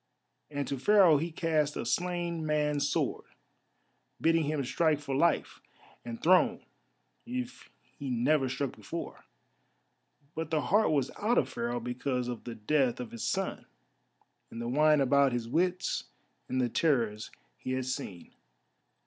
And to Pharaoh he cast a slain man's sword, bidding him strike for life and throne if he never struck before; but the heart was out of Pharaoh because of the death of his son, and the wine about his wits, and the terrors he had seen.